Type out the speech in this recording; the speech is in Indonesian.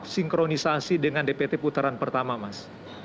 sinkronisasi dengan dpt putaran pertama mas